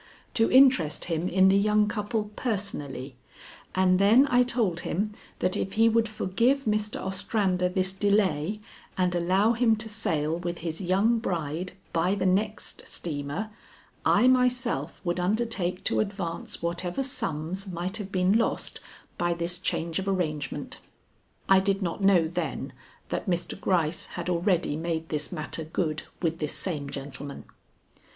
to interest him in the young couple personally, and then I told him that if he would forgive Mr. Ostrander this delay and allow him to sail with his young bride by the next steamer, I myself would undertake to advance whatever sums might have been lost by this change of arrangement. I did not know then that Mr. Gryce had already made this matter good with this same gentleman.